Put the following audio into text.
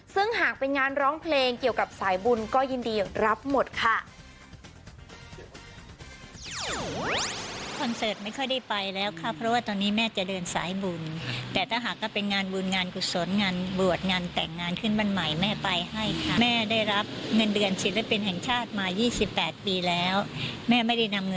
ซึ่งหากเป็นงานร้องเพลงเกี่ยวกับสายบุญก็ยินดีรับหมดค่ะ